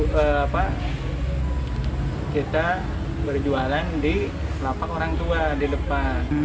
kita berjualan di lapak orang tua di depan